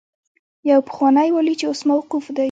يو پخوانی والي چې اوس موقوف دی.